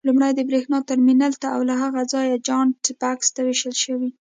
لومړی د برېښنا ترمینل ته او له هغه ځایه جاینټ بکس ته وېشل شوي.